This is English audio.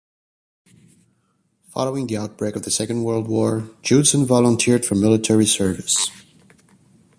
Following the outbreak of the Second World War, Judson volunteered for military service.